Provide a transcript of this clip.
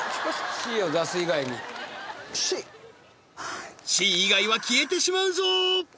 Ｃを出す以外にＣ以外は消えてしまうぞ！